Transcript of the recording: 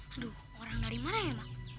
aduh orang dari mana ya bang